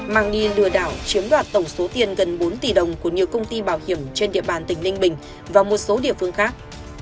mang đi lừa đảo chiếm đoạt tổng số tiền gần bốn tỷ đồng của nhiều công ty bảo hiểm trên địa bàn tỉnh ninh bình và một số địa phương khác